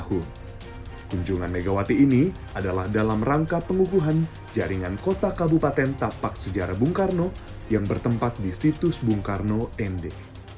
kunjungan megawati ini adalah dalam rangka pengukuhan jaringan kota kabupaten tapak sejarah bung karno yang bertempat di situs bung karno nd